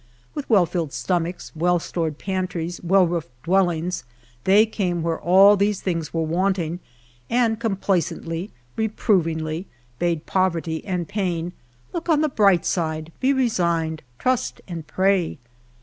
With well tilled stomachs, well stored pantries, well roofed dwellings, they came where all these things were wanting, and complacently, reproving ly, bade poverty and pain " Look on the bright side, be re signed, trust and pray."